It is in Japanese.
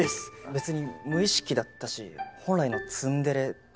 別に無意識だったし本来のツンデレとは違う。